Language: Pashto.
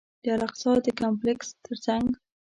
د الاقصی د کمپلکس تر څنګ.